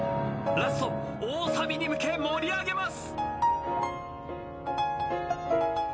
ラスト大サビに向け盛り上げます。